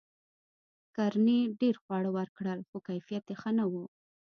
کرنې ډیر خواړه ورکړل؛ خو کیفیت یې ښه نه و.